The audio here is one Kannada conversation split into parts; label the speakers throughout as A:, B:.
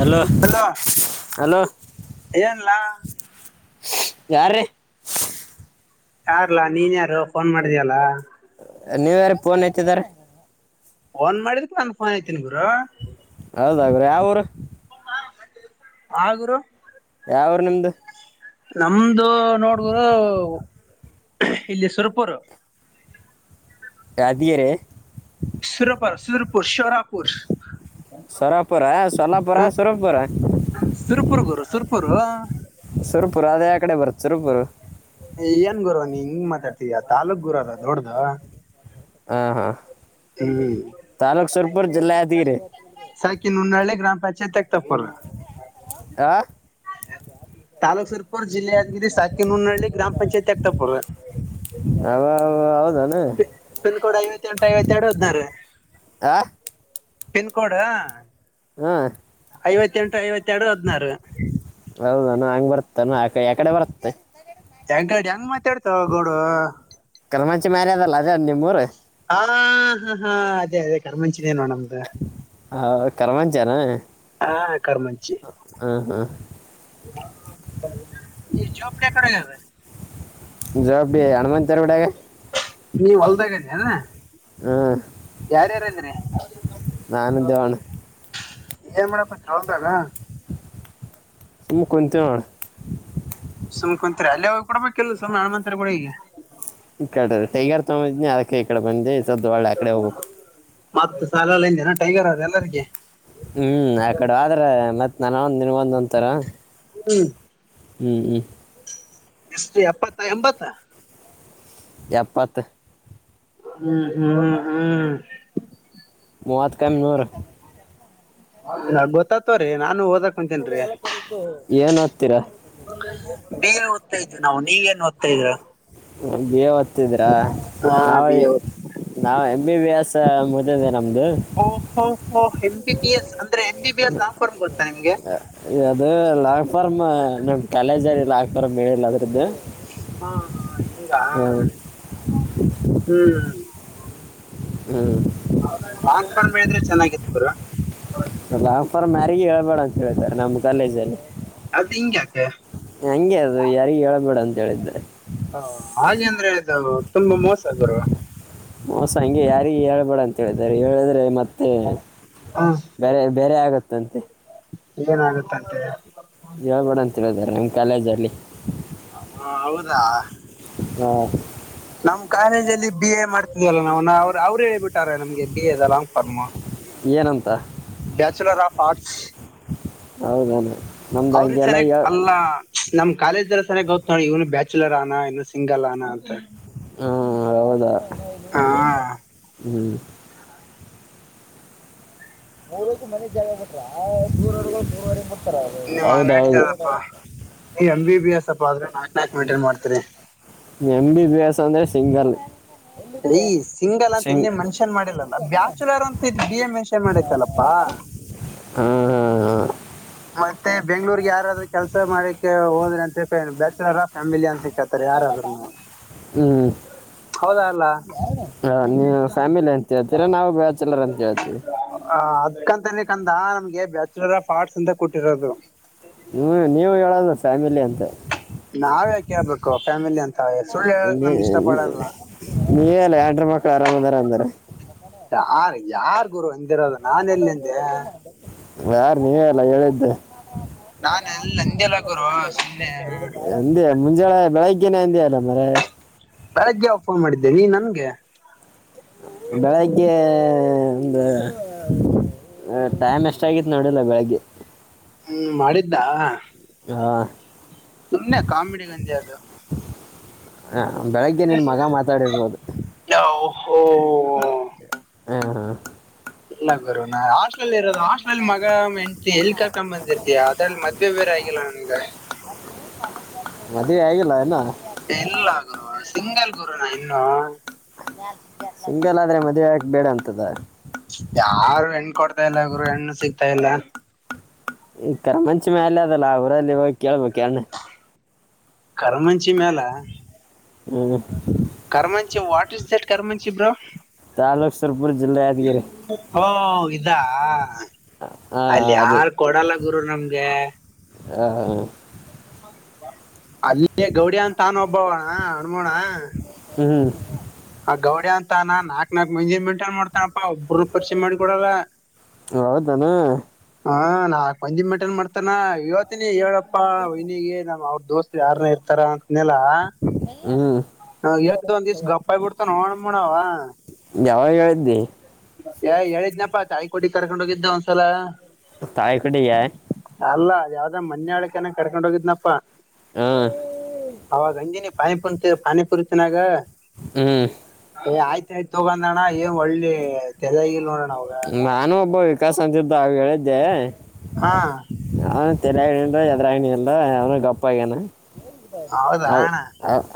A: ಹಲೋ ಹಲೋ
B: ಏನ್ಲ
A: ಯಾರ ರೀ
B: ಯಾರಲ್ಲಾ ನೀನ್ ಯಾರು ಫೋನ್ ಮಾಡಿದಯಲ್ಲ
A: ನೀವ ಯಾರ ಪೋನ್ ತಿದಾರ
B: ಫೋನ್ ಮಾಡಿದಕ್ ನಾನನ್ ಫೋನ್ ಐತೀನಿ ಗುರು
A: ಹೌದಾಗ್ರೀ ಯಾವರು
B: ಹ ಗುರು
A: ಯಾವ ಅವರು ನಿಮ್ದು
B: ನಮ್ದು ನೋಡ್ರು ಇಲ್ಲಿ ಸುರಪೂರು
A: ಅಧಿಯರೆ
B: ಸರಪ ಸುರಪುರ್ ಶೋರಾಪುರ್
A: ಸೊರಪುರ ಸೊಲ್ಲಾಪುರ
B: ಹ
A: ಸೊರಪುರ
B: ಅವರು
A: ಸರ್ ಪುರದೇ ಕಡೆ ಬರುತ್ ಸರ್ಪುರ
B: ಏನ್ ಗುರ ನೀ ಹಿಂಗ್ ಮಾತಾಡ್ತಯಾ ತಾಲೂಕ್ ಗುರದ ದೊಡ್ಡ್ದ
A: ಹಾ ಹಾ
B: ಹ್ಮ್
A: ಇಬ್ಬರ್ ಜಲ್ಲ ಅದಿರಿ
B: ಸಕ ಇನ್ನುನ್ನೆ ಗ್ರಾಮ ಪಂಚಾಯತ್ಗ್ ತಪ್ಪಲ್
A: ಆ
B: ತಾಲೂಕ್ ಸಲ್ಪುರ್ ಜಿಲ್ಲೆಯಾದ್ಗಿರಿ ಸಾಕಿ ನುನಹಳ್ಳಿ ಗ್ರಾಮ ಪಂಚಾಯತಿ ಆಗ್ತಾಪರ್
A: ಅ ಹೌದು
B: ಪಿನ್ ಕೋಡ್ ಐವತ್ತ ಎಂಟು ಐವತ್ತೆರಡು ಹದನ ರೀ
A: ಆ
B: ಪನ್ಕೋಡ್ ಹಾ
A: ಹಾ
B: ಐವತ್ತೆಂಟು ಐವತ್ತರಡು
A: ಹೌದಾನ ಹಂಗ್ ಬರ್ತಾನ ಆ ಯಕಡೆ ಬರುತ್ತೆ
B: ಯಂಗ ಹೆಂಗ ಮಾತಾಡ್ತಾವ ಗೌಡು
A: ಮಚ್ಚ ಮಾರ್ಯ ಅದಲ್ಲ ಅದೇ್ ನಿಮ್ಮ್ೂರು
B: ಹಾ ಹಾ ಹಾ ಅದೇ ಅದೇ ಕರ್ಮಂಚಿನೇನುೋ ನಮ್ದು
A: ಹಾ ಕರ್ಮಾಂಚಾರ
B: ಹಾ ಕರ್ಮಂಚಿ
A: ಹಾಂ
B: ಈ ಜಬ ಕಡದ
A: ಜಾ ಅನುಮಂತ ತರ ಬಿಡಾಗ
B: ನೀವ ಹೊಲ್ದಾಗತಿ ಅದ
A: ಹ್ಮ್
B: ಯಾರ್ಯಾರ ಅಂದನೆ
A: ನಾನು ದೇವಣ್ಣ
B: ಏ ಮಾಡೇಡಪ್ಪ ಚಳದಾಗ
A: ತಮ್ಮ ಕೊನ್ಂತ ಹಂಡ
B: ಸುಮ್ ಕುಂತತ್ರಿ ಅಲ್ಲಿ ಹೋಗಿ ಕೂಡಬೇಕೇಕಲ್ಲ ಸು್ನೆ ನಣುಂತತ್ರಿ ಕೂಡ ಈಗೆ
A: ಈ ಕಡೆ ಟೈಗರ್ ತೊಗೊಂಡಿದ್ನಿ ಅದಕ್ಕೆ ಈ ಕಡೆ ಬಂದೆ ಸದ್ದಳ್ಳೆ ಆಕಡೆ ಹೋಗ್ಬೇಕು
B: ಮತ್ತ ಸಾಲ ಎಲ್ಲಂದನ
A: ಹ್ಮ್ ಆ ಕಡೆ ಆದ್ರ ಮತ್ತ್ ನಾನ ಒಂದ ನಿನ್ ಒಂದ ಅಂತಾರ
B: ಹ್ಮ್
A: ಹ್ಮ್ ಹ್ಮ್
B: ಎಷ್ಟು ಎಪ್ಪತ್ತ ಎಂಬತ್ತ
A: ಎಪ್ಪತ್
B: ಹ್ಮ್ ಹ್ಮ್ ಹ್ಮ್ ಹ್ಮ್
A: ಮೂವತ್ಕಮನೂರು
B: ಗೊತ್ತತವ್ರೀ ನಾನು ಹದ ತೇನ್ಬೇತ್ತ
A: ಏನು ಓದ್ತೀರ
B: ನಾ ನೀಗ ನ್ ಓದ್ತಾ ಇದ್ರಾ
A: ಬಿ ಎ ದತ್ತಿದೀರ
B: ಹಾ
A: ನಾವ
B: ಬಿ ಎ ಓದ್
A: ನಾವವು ಎಂಬಿ ಬಿ ಎಸ್ ಮೊದ
B: ಓಹೋ ಹೋ ಎ ಬಿ ಬಿ ಎಸ್ ಅಂದ್ರೆ ಎ ಬಿ ಬಿ ಎಸ್ ನಾ್ ಫಾರಮ್ ಗೊತ್ತಾ ನಿಮ್ಗೆ
A: ಅದಲ್ಲಾ ಅಕ್ಬಾರಮ್ಮ ನಮ್ ತಲೆ ಜಾರಿಿಲ್ಲ ಅಾಕ್ಬಾರಾಮ ಹೇಳಿಲ್ಲ ಅದ್ರಿಂದ
B: ಹ ಹಿಂಗ ಹ್ಮ
A: ಹ್ಮ್
B: ನಾನ್ಕೊಂಡ್ಬಿದ್ರೆ ಚೆನ್ನಾಗಿತ್ತು ಗುರ
A: ರಾಪರ ಮ್ಯಾರಗಿಗೆ ಹೇಳ್ಬೇಡ ಅಂತ ಹೇಳ ಸರ್ ನಮ್ಮ್ ಕಾಲೇಜ ಅಲ್ಲಿ
B: ಅದು ಹಿಂಗ್ಯಾಕೆ
A: ಹಂಗೆ ಅದು ಯಾರಿಗ ಹೇಳಬೇಡ ಅಂತ ಹೇಳೆ
B: ಹ ಹಾಗೆ ಅಂದ್ರೆ ಇದು ತುಂಬಾ ಮೋಸ ಬರುವ
A: ಮಸ ಹಂಗೆ ಯಾರಿಗೆ ಹೇಳ್ಬೇಡ ಅಂತ ಹೇಳಾರೆ ಹೇಳಿದ್ರೆ ಮತ್ತೆ ಹ್ಮ
B: ಹ್ಮ್,
A: ಬೇರೆ ಬೇರೆ ಆಗತ್ತಂತೆ
B: ಏನಾಗುತ್ತಂತೆ
A: ಹೇಳ್ಬೇಡ ಅಂತ ಹೇಳದಾರ ನಂಗ್ ಕಾಲೇಜ್ ಅಲ್ಲಿ
B: ಹೌದಾ ನಮ್ ಕಾಲೇಜಲ್ಲಿ ಬಿ ಎ ಮಾಡ್ ಇಲ್ಲ ನ ಅವ್ರು ಹೇಳ್ಬಿಟ್ಟಾರೆ ನಮ್ಗೆ ಬಿ ಎದ ಲಾಂಗ್ ಫಾರ್ಮ್
A: ಏನಂತ
B: ಬ್ಯಾಚುಲರ್ ಆಫ್ ಆರ್ಟ್ಸ್
A: ಹೌದಾನ
B: ಅವ್ರ ಸರಿ ಅಲ್ಲ ನಮ್ ಕಾಲೇಜ್ಲ್ಲ ಸನ ಗೌತ್ ನೋಡಿ ಇವನು ಬ್ಯಾಚುಲರ್ ಅನಾ ಇನ್ನುನು ಸಿಂಗಲ್ ಅನಾ ಅಂತ
A: ಆ, ಹೌದಾ
B: ಹಾ
A: ಹ್ಞೂ ಮೂರಕ್ಕ ಮನೆ ಜ ಬಿಟ ಮೂ
B: ನಿಮ್ ನಡತದಪ್ಪಾ ಈ ಎಂ ಬಿ ಬಿ ಎಸ್ ಅಪ್ಪ ಆದ್ರೆ ನಾ
A: ಎಮ ಬಿಬ್ಯಾಸ ಅಂದ್ರೆ ಸಿಂಗಲ್
B: ಯ ಸಿಂಗಲ್ ಅಂತ
A: ಸಿಂಗ್
B: ಎಲ್ಲಿ ಮನ್ಷ್ಯನ್ ಮಾಡಿಲಲ್ಲ ಬ್ಯಾಚುಲರ್ ಅಂತಿದ್ ಬಿ ಎಂಷ ಎ ಮಾಡೈತಲ್ಲಪ್ಪಾ ಹಾ
A: ಹ್ಮ ಹಾ ಹಾ
B: ಬೆಂಗ್ಳೂರ್ಗೆ ಯಾರಾದ್ರೂ ಕೆಲ್ಸ ಮಾಡಕ್ಕೆ ಹೋದ್ರೆ ಅಂತ ಫ್ಯಾಮಿಲಿ ಅಂತ ಸಿಕ್ಕತಾರೆ ಯಾರಾದ್ರನು
A: ಹ್ಞೂ
B: ಹೌದ ಅಲ್ಲ
A: ಹ ನೀವ ಫ್ಯಾಮಿಲಿ ಅಂತ ಹೇಳ್ತೀರ ನಾವವು ಬಳ ಚಲರ ಅಂತ ಹೇಳ್ತಿವಿ
B: ಗೆ ಬ್ಯಾಚುಲರ್ ಆಫ್ ಆರ್ಟ್ಸ್ ಅಂತ ಕೊಟ್ಟಿರೋದು
A: ನೀವು ನೀವು ಹೇಳೋದು ಫ್ಯಾಮಿಲಿ ಅಂತ
B: ನಾವ್ ಯಕೇಳ್ಬೇಕು ಫ್ಯಾಮಿಲಿ ಅಂತ ಸುಳ್ಳು ಹೇಳಕ್ ನಮ್ಗ್ ಇಷ್ಟ ಪಡಲ್ಲ
A: ನೀಲ್ಲ ಯಡ್ರ ಮಕ್ಳು ಅರಾಮದಾರ ಅಂದಾರ
B: ಯಾರ ಯಾರ್ ಗುರು ಎಂದಿರೋದು ನಾನ ಎಲ್ಲೆಂದೆ
A: ಯಾರು ನೀವ ಎಲ್ಲ ಹೇಳಿದ್ದೆ
B: ನಾ ಎಲ್ಲಿ ಅಂದಲ್ಲ ಗರು ಸುಮ್ಮನೆ
A: ಮುಂಜಳೆ ಬೆಳಗ್ಗೆನೆ ಹಂದಿ ಅಲ್ಲ ಮ್ರ
B: ಬೆಳಗ್ಗೆ ಆಫರ್ ಮಾಡಿದ್ದೇನೆ ನನ್ಗೆ
A: ಬೆಳಗ್ಗೆ ಒಂದು ಹ ಟೈಮ್ ಎಷ್ಟ ಆಗಿತ್ ನೋಡಲ್ಲ ಬೆಳಗ್ಗೆ
B: ಹ್ಮ್ ಮಾಡಿದ್ದ
A: ಹಾ
B: ಸುಮ್ಮನೆ ಕಾಮೆಡಿ ಗಂದದು
A: ಹ ಬೆಳಗ್ಗೆ ನಿನ್ ಮಗ ಮಾತಾಡಿರ್ಬೋದು
B: ಓ
A: ಹಾ ಹಾ
B: ಇಲ್ಲ ಗುರು ನಾ ಹಾಸ್ಟೆಲ್ ಇರೋದು ಹಾಸ್ಟೆಲ್ ಮಗ ಹೆಂಡ ಎಲ್ಲಿ ಕಾಕೊಂಡ್ ಬಂದಿರ್ತಾ ಅದ್ರಲ್ಲಿ ಮದ್ವೆ ಬೇರೆ ಆಲ್ಲ ಅಗೆ
A: ಹ ಮದೇ ಆಗಿಲ್ಲ ನಾ
B: ತಿಂಗಳ ಗೂರು ನಾ ಇನ್ನುೂ
A: ಸಿಂಗಲ್ ಆದ್ರೆ ಮದುವೆಕ ಬೇಡ ಅಂತದ್ರೀ
B: ಮಂತಾಯಲ್ಲ
A: ಈಥರ ಮಂಚಿಮ ಅಾಲ ಅದಲ್ಲ ಊರಲ್ಲಿ ಇ ಹೋಗ ಕೇಳ್ಬಬೇಕಕ್ ಎರ್ಣ
B: ಕರಮಂಚಿ ಮ್ಯಾಲ
A: ಹ್ಮ
B: ವಾಟರ್ ಸೆಟ್ ಕರಮಂಚಿ ಬ್ರೋ
A: ಚಾಲಕ ಸ್ವಲ್ಪ
B: ಹಾ ಇದಾ
A: ಹಾಂ
B: ಅಲ್ಲಿ
A: ಅದೇ
B: ಯಾರ ಕೊಡಲ್ಲ ಗುರು ನಮ್ಗೆ
A: ಹಾ ಹಾ
B: ಅಲ್ಲೇ ಗೌರಿ ಅಂತ ತಾನು ಒಬ್ಬವಣ ಅಣ್ಮೋಣ
A: ಹ್ಮ್
B: ಆ ಗೌಡಿ ಅಂತಾನ ನಾಕ್ ನಾಕಕ್ ಮಂದಿ ಮೆಂಟೈನ್ ಮಾಡ್ತಾನಪ್ಪಾ ಒಬರು ಪರಿಚೆ ಮಾಡಿ ಕೊಡಲ್ಲ
A: ಹೌದಾನ
B: ಹಾ ನಾ ಕಂಜಿ ಮೆಟನ್ ಮಾಡ್ತನ ಇವತ್ತಿನಿ ಹೇಳಪ್ಪ ಪ್ಪಾ ಇನಿಗೆ ನಮ್ಮ್ ಅವ್ರ ದೋಸ್ತ್ ಯಾರನ್ನ ಇರ್ತಾರ ಅಂತನಲ
A: ಹ್ಞೂ
B: ಹ ಎಂತ ಒಂದ್ ದಿವಸ ಗಪ್ಪಾಯಿ ಬಿಡ್ತ ನೋಣಣವ
A: ಯಾವಾಗ ಹೇಳಿದ್ದಿ
B: ಏ ಹೇಳಿದ್ನಪ್ಪಾ ತಾಯಿ ಕೊಟಿ ಕರ್ಕೊಂಡ್ ಹೋಗಿದ್ದ ಒಂದ್ಸಲ
A: ತಾಯಿ ಕಡ ಯ
B: ಅಲ್ಲ ಅದ ಯಾವ್ದ ಮನ್ಯ ಆಳ್ಕನ ಕರ್ಕೊಂಡ್ ಹೋಗಿದ್ನಪ್ಪ
A: ಹಾಂ
B: ಅವಾಗಜಿನಿ ಪಾಯಿ ಪಂತ ಪಾನಿ ಪರಿತಿನಾಗ
A: ಹ್ಮ್
B: ಏ ಆಯ್ತ ಆಯ್ತ ತಗೊಂಡ ಅಣ್ಣ ಏನ್ ಒಳ್ಳಿ ತೆಜಾಗಿ ನೋ
A: ನಾನು ಒಬ್ಬ ವಿಕಾಸ ಅಂತಿದ್ದು ಅವ ಹೇಳಿದ್ದೆ
B: ಹಾ
A: ನ್ ಎದ್ರಗನಲ್ರ ಅವನು ಗಪ್ಪ ಆಗ್ಯನದ
B: ಹೌದಾ ಅಣ್ಣ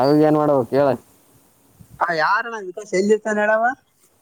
A: ಅವಗ ಏನ್ ಮಾಡುವ ಕೇಳ
B: ಹ ಯಾರಣಾ ವಿಕೋಶ ಎಲ್ಲಿತ್ತನ್ ಹೇಳವ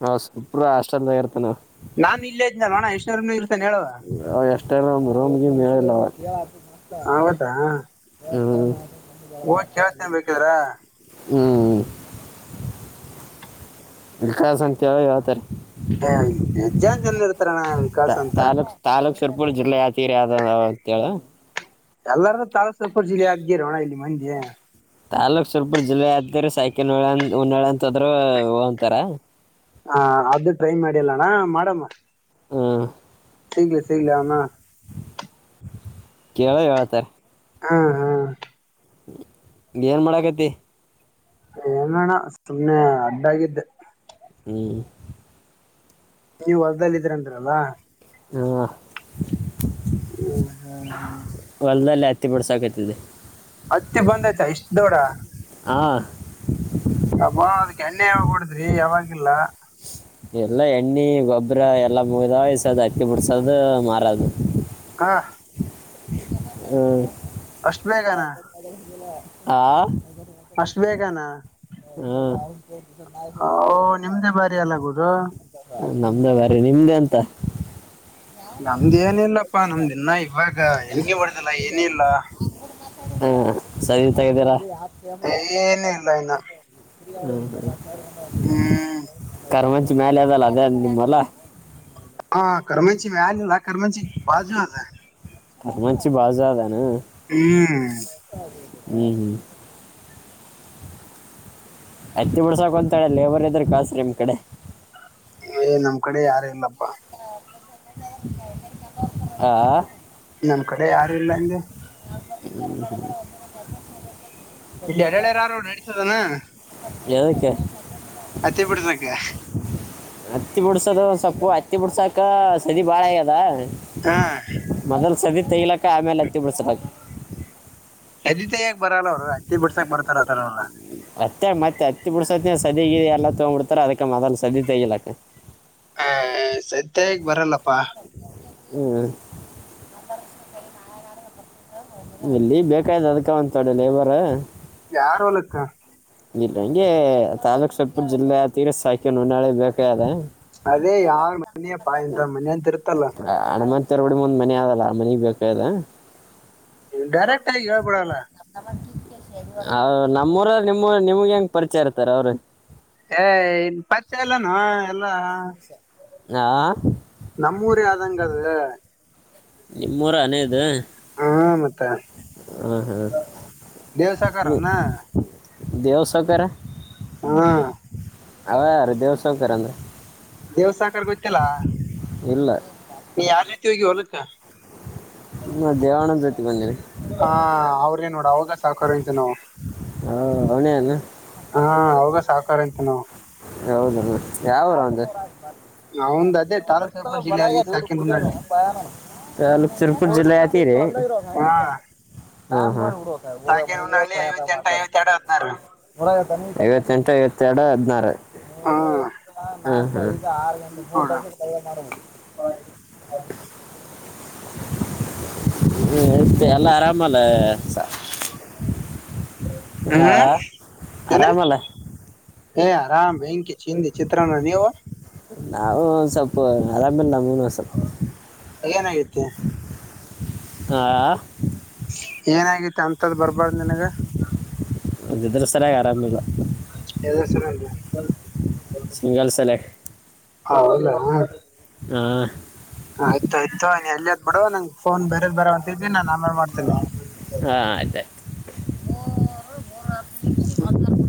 A: ಹಾ ಸುಪ್ರ ಅಷ್ಟಂದದಾಗಿರ್ತೇ ನಾವ
B: ನಾನು ಇಲ್ಲೇ ಇದ್ನಲ್ಲ ಅಣ್ಣ ಎಷ್ಟನೇ ಇರ್ತಾನೆ ಹೇಳು
A: ಅವ ಎಷ್ಟಲ್ಲ ಒ ರೂಮ್ಗೆ ಮೇಲ್ಲ ಅವ ಹ್ಮ
B: ಹಓ ಯಾವತನ್ ಬೇಕಿದಾರ
A: ಹ್ಮ ಇ ಕಸ ಅಂತೇಳ ಯಾವಳ್ತಾರೆ
B: ಜನ ಜನ ಇರ್ತಾರಣ್ಣ ವಿಕಾಸ್ ಅಂತ
A: ತಾಲ ತಾಲಕ್ ಸರ್ಪ ಯ ತೀರ ಅದಂತೇಳ
B: ಎಲ್ಲಾರೂ ತಾರಸಾಪುರ್ ಜಿಲ್ಲೆ ಆದ್ಗೇರೋಣ ಇಲ್ಲಿ ಮಂದಿ
A: ತಾಲ್ಲೂಕ್ ಸ್ವಲ್ಪ ಜಿಲ್ಲೆ ಆದತರಿ ಸೈಕಲ್ ನೋ ಉನ್ನಾಳಂತದ್ರ ಒಂತಾರ
B: ಹ ಅದು ಟ್ರೈ ಮಾಡಲ್ಲಣ ಮಾಡಮ್ಮ
A: ಹ್ಮ
B: ಸಿಗಲ ಸಿಗಲ ಆಮ
A: ಕೇಳೋ ಹೇಳ್ತಾರೆ
B: ಹಾ ಹಾ
A: ಏನ್ ಮಾಡಕತಿ
B: ಏನೇಣ ಸುಮನೆ ಅಡ್ಡಾಗಿದ್ದೆ
A: ಹ್ಮ್
B: ನೀವ್ ಹೊಲ್ದಲ್ಲ ಇದ್ರಂದ್ರಲ್ಲ
A: ಹ
B: ಹ್ಮ ಹ್ಮ್ ಹ್ಮ್
A: ಒಲ್ಲ್ಲಿ ಹತ್ತಿ ಬಿಡ್ಸಕತದೆ
B: ಹತ್ತಿ ಬಂದಯ್ತಾ ಇಷ್ಟ ದೊಡ
A: ಹಾ
B: ಅಬ ಅದಕ್ಕೆ ಎಣ್ಣೆ ಯಾವ ಕುಡಿದ್ರಿ ಯಾವಾಗಿಲ್ಲ
A: ಎಲ್ಲ ಎಣ್ಣೆ ಗೊಬ್ಬರ ಎಲ್ಲ ಮುಗ್ದಯಸೋದು ಅಕ್ಕಿ ಬಿಡಸೋದು ಮಾರೋದು
B: ಹ
A: ಹ್ಮ
B: ಅಷ್ಟು ಬೇಗನಾ
A: ಹಾ
B: ಅಷ್ಟು ಬೇಗಾನ
A: ಹ್ಮ
B: ಹ ನಿಮ್ದೇ ಬಾರಿ ಎಲ್ಲಾಗೋುದ
A: ನಮ್ದೇ ಬ್ರ ನಿಮ್ದೇ ಎಂತ
B: ನಮ್ದ ಏನ ಇಿಲ್ಲಪ್ಪಾ ನಮ್ದ ಇನ್ನ ಇವಾಗ ಹೆಂಗೆ ಮಾಡ್ದಿಲ್ಲ ಏನ ಇಲ್ಲ
A: ಹಾ ಸರಿ ತಗಿದ್ದೀರಾ
B: ಏನ ಇಲ್ಲ ಇನ್ನ ಹ್ಮ
A: ಕರ್ಮಂಚಿ ಮೇಲೆ ಅದಲ್ಲ ಅದೇ ಅ ನಿಮ್ಮಲ್ಲ
B: ಹಾ ಕಮಚಿ ಮ ಆ ಕಮಚಿ ಬಾಜು
A: ಮಂಿ ಬಾ ಜಾದ
B: ಹ್ಮ್
A: ಹ್ಮಞ ಹ್ಮ ತ್ತ ಬಿಡ್ಸಕೊಂತಾಳೆ ಲೇಬರ್ ಇದದ್ರ ಕಾಸ್ರಿ ನಿಮ್ ಕಡೆ
B: ಏ ನಮ್ ಕಡೆ ಯಾರ ಇಲ್ಲಪ್ಪ
A: ಆ
B: ನಮ ಕಡೆ ಯಾರು ಇಲ್ಲಂದ
A: [inaudible] [inaudible] [inaudible]
B: ಇಲ್ಲಿ ಎರಳೆಾರಾರು ನಡೆತದಾನ
A: ಯದಕ್ಕೆ
B: ಅತ್ತೆ ಬಿಡುದಕ್ಕೆ
A: ಹತ್ತಿ ಬಿಡ್ಸೋದು ಒ ಸೊಪ್ಪು ಹತ್ತಿ ಬಿಡ್ಸಾಕ ಸದ ಬಾಳ ಆ್ಯದ
B: ಹಾ
A: ಸದ ತೈಲಕ್ಕೆ ಆಮೇಲೆ ಹತ್ತಿ ಬಿಳಿಸಬೇಕು
B: ಅದಿತೆ ಯಕ ಬರಲ್ಲ ಅವ್ರು ಹತ್ತೆ ಬಿಡ್ಸಾಕ್ ಬರ್ತಾರ ಆತರವಲ್ಲ
A: ಮತ್ತೆ ಮತ್ತೆ ಅತ್ತಿ ಬಿಡ್ಸತ್ತನ ಸದಗ ಎಲ್ಲಾ ತಗ್ಬ ಬಿಡ್ತಾರ ಅದಕ ಮ ಅದ ಸದಿ ತೆಗಿಲಕ್ಕ
B: ಹ ಸತ್ಯಗ್ ಬರಲ್ಲಪ್ಪಾ
A: ಹ್ಮ್ [unintelligible] ಇಲ್ಲಿ ಬೇಕಾಯ್ತು ಅದ್ಕ [unintelligible] ಲೇಬರ್
B: ಯಾರ ಹೊಲಕ್ಕ
A: ಇಲ್ಲ ಹಂಗೆ ತಾಲೂಕ್ ಸರಪುರ್ ಜಿಲ್ಲೆ ಯಾದಗಿರಿ [unintelligible] ನಾಳೆ ಬೇಕ ಅದ
B: ಅದೇ ಯಾರ್ ಮನೆಯ ಪಾ ಇಂತರ್ ಮನಿ ಅಂತ ಇರುತ್ತಲ್ಲ.
A: ಹಣಮತ್ [unintelligible] ಒಂದ್ ಮನೆ ಆಲ್ಲ ಮನೆಗ್ ಬೇಕಾಯದ
B: ಡೈರೆಕ್ಟ್ ಆಗಿ ಹೇಳ್ಬಿಡೋಣ
A: ನಮ್ಮೂರ ನಿಮ್ಮೂ ನಿಮ್ಗೆ ಹೆಂಗ ಪರಿಚಯ ಇರ್ತಾರ ಅವ್ರ
B: ಏ ಇನ್ ಪರಿಚಯ ಎಲ್ಲಾನ ಎಲ್ಲಾ
A: ಹಾ
B: ನಮ್ಮೂರ ಯ್ದಂಗ ಅದ
A: ನಿಮ್ಮೂರ ಅನೇದು
B: ಹಾ ಮತ್ತ
A: ಹಾ ಹಾ [unintelligible]
B: ದೇವ್ಸಾಕಾರನ
A: ದೇವಸೌಕರ
B: ಹಾ
A: ಅವ ರೀ ದೇವಸೌಕರ್ ಅಂದ
B: ದೇವ್ಸಾಕಾರ ಗೊತ್ತಿಲ್ಲ
A: ಇಲ್ಲ
B: ನೀ ಯಾವ ರೀತಿ ಹೋಗಿ ಹೋಲಕ್ಕ [unintelligible]
A: ನಾ ದೇವಣ್ಣನ ಜೊತೆ ಬಂದೀನಿ
B: ಹ ಅವ್ರೇನ್ ನೋಡು ಅವಾಗ ಸಾಹಕಾರಇದ್ವಿ ನಾವು
A: ಹಾ ಅವನನ್ನು
B: ಅವಾಗ ಸಾಕಾರ ಹಾ ಅಂತ
A: ಹೌದನು ಯಾವರು ಅವಂದು
B: ಅವಂದ್ ಅದೇ ತಾಲೂಕ್ ಸರ್ಪಂಚ್ ಜಿಲ್ಲೆ ಅ
A: [unintelligible] ಇವ್ರು
B: ಸಾಕಿನ
A: ಕುರಿಯರು
B: ಹುನಹಳ್ಳಿ
A: ಅಂತ [unintelligible] ತುಮಕುರ್ ಜಿಲ್ಲೆ [unintelligible]
B: ಹಾ
A: ಹಾ ಹಾ ಹ [unintelligible]
B: ಸಾಕಿನ
A: ಮನಗೆ
B: ಹುನಹಳ್ಳಿ
A: ಕಾಯಾಕಾಯ
B: ಐವತ್ತೆಂಟ
A: ಮಾಡ್ತಾರೆೋ
B: ಐವತ್ತೆರಡು ಹದ್ನಾರು
A: [unintelligible] ಗಂಟ [unintelligible] ಐವತ್ತೆರಡು ಹದಿನಾರು
B: ಹ್ಮ್
A: ಹ
B: ನೋಡ
A: [unintelligible] [unintelligible] ಮಾಡನು ಹ್ಮ ಮತ್ತ ಎಲ್ಲ ಆರಾಮಲ್ಲ ಸಾ ಹಾ
B: ಹ್ಮ್
A: ಆರಾಮಾಲ
B: ಹೇ ಅರಾಮ್ ಬೆಂಕಿ ಚಿಂದಿ ಚಿತ್ರನ್ನಾ ನೀವು
A: ನಾವು ಒ ಸ್ವಲ್ ಆರಾಮೇ ಇಲ್ಲ ನಂಗೂನೂ ಸ್ವಲ್ಪ
B: ಏನಾಗಿತ್ತ
A: ಆ
B: ಏನಾಗಿತಿ ಅಂತದ್ ಬರ್ಬಾರ್ದ ನೀನ್ಗ
A: ಅದಿದ್ರ ಸರಿಯಾಗಿ ಆರಾಮಿಲ್ಲ.
B: [unintelligible] ಸರ [unintelligible]
A: ಸಿಂಗಲ್ ಸೆಲೆಕ್ಟ್
B: ಹೌದ
A: ಹಾ
B: ಆಯ್ತ ಆಯ್ತ ನೀ ಎಲ್ಲಿದ್ ಬಿಡು ನಂಗ್ ಫೋನ್ ಬರೋದ ಬರಂ ಇದ್ದೀನಿ ನಾನ ಆಮೇಲ್ ಮಾಡ್ತೇನೆ.
A: ಮೂರು ಮೂರು [unintelligible]
B: ಹ್ಮ್